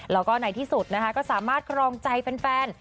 แล้วก็ในที่สุดนะคะก็สามารถครองใจแฟน